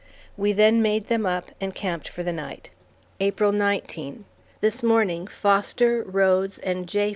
We then made them up, and camped for the night. April 19. This morning Foster, Rhodes, and J.